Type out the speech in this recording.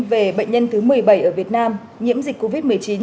về bệnh nhân thứ một mươi bảy ở việt nam nhiễm dịch covid một mươi chín